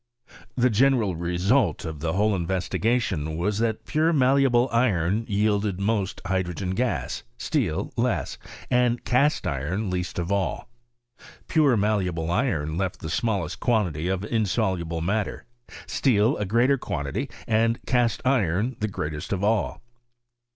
The general result of the whole investigation was that pure mal leable iron yielded most hydrogen gas; steel less, and cast iron least of all. Pure malleable iron left the smallest quantity of insoluble matter, steel a greater quantity, and cast iron the greatest of all.